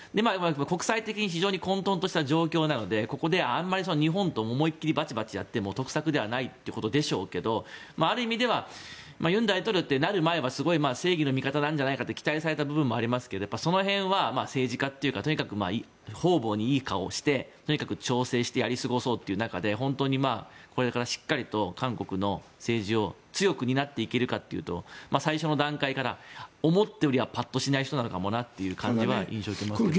国際的に非常に混とんとした状況なのでここであまり日本と思い切りバチバチやっても得策ではないということでしょうがある意味では尹大統領ってなる前はすごい、正義の味方ではと期待された部分もありますがその辺は政治家っていうかとにかく方々にいい顔をしてとにかく調整してやりすごそうという中でこれからしっかりと韓国の政治を強く担っていけるかというと最初の段階から思ったよりはぱっとしない人なのかもなっていう印象は受けますよね。